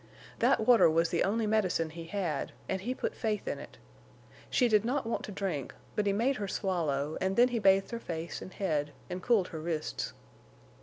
That water was the only medicine he had, and he put faith in it. She did not want to drink, but he made her swallow, and then he bathed her face and head and cooled her wrists.